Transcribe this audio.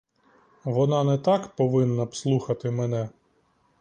Вона не так повинна б слухати мене.